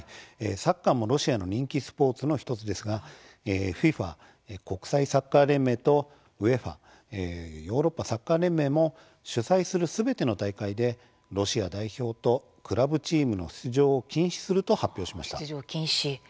サッカーもロシアの人気スポーツの１つですがＦＩＦＡ・国際サッカー連盟とＵＥＦＡ・ヨーロッパサッカー連盟も主催するすべての大会でロシア代表とクラブチームの出場を禁止すると発表しました。